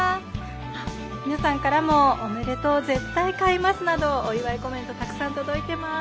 あっ皆さんからも「おめでとう」「絶対買います！」などお祝いコメントたくさん届いてます。